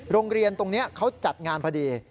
โรงเรียนตรงนี้เขาจัดงานพอดี